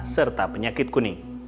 serta penyakit kuning